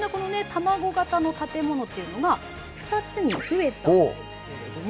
卵形の建物っていうのが２つに増えたんですけれども。